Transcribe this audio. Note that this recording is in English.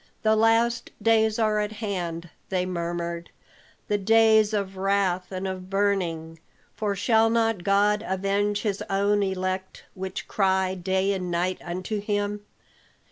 "The last days are at hand," they murmured, "the days of wrath and of burning. For shall not God avenge his own elect which cry day and night unto him?